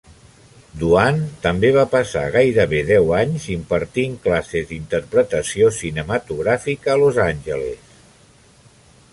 Duane també va passar gairebé deu anys impartint classes d'interpretació cinematogràfica a Los Angeles.